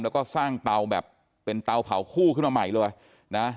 แล้วก็สร้างเตาแบบเป็นเตาเผาคู่ขึ้นมาใหม่เลยนะ